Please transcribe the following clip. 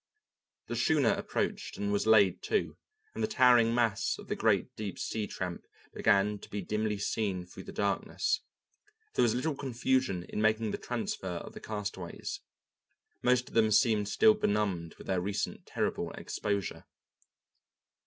The schooner approached and was laid to, and the towering mass of the great deep sea tramp began to be dimly seen through the darkness. There was little confusion in making the transfer of the castaways. Most of them seemed still benumbed with their recent terrible exposure.